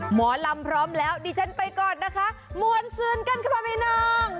หมอลำพร้อมแล้วดิฉันไปก่อนนะคะมวลซืนกันค่ะพี่น้อง